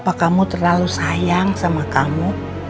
apa kamu terlalu sayang sama kamu